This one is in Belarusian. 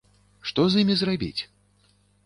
Што з імі зрабіць?